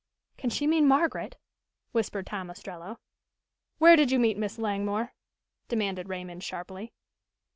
"Can she mean Margaret?" whispered Tom Ostrello. "Where did you meet Miss Langmore?" demanded Raymond sharply.